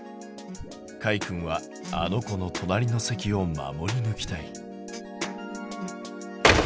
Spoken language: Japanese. かいくんはあの子の隣の席を守りぬきたい。